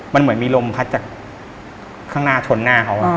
มันเหมือนมีลมพัดจากข้างหน้าชนหน้าเขา